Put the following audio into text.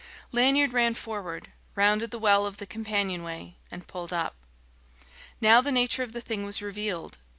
Lanyard ran forward, rounded the well of the companionway, and pulled up. Now the nature of the thing was revealed.